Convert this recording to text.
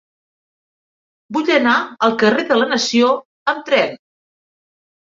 Vull anar al carrer de la Nació amb tren.